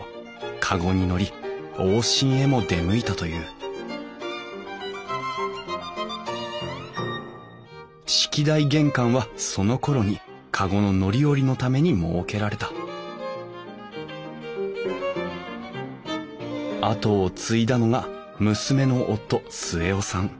籠に乗り往診へも出向いたという式台玄関はそのころに籠の乗り降りのために設けられた後を継いだのが娘の夫末雄さん。